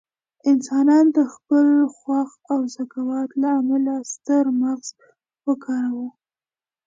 انسانان د خپل هوښ او ذکاوت له امله ستر مغز وکاروه.